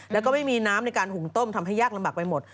แล้วก็ไม่มีน้ำในการหุงต้มทำให้ยากลำบากไปหมด